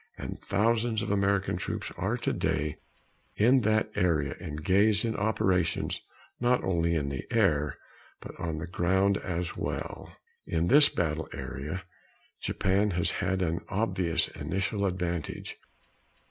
And thousands of American troops are today in that area engaged in operations not only in the air but on the ground as well. In this battle area, Japan has had an obvious initial advantage.